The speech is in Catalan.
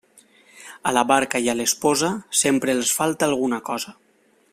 A la barca i a l'esposa, sempre els falta alguna cosa.